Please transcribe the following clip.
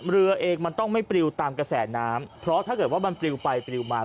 เรือเองมันต้องไม่ปลิวตามกระแสน้ำเพราะถ้าเกิดว่ามันปลิวไปปลิวมา